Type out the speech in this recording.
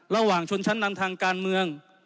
ระหว่างชนชั้นนำทางการเมือง